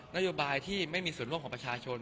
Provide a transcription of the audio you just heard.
นโยบายที่ไม่มีส่วนร่วมของประชาชน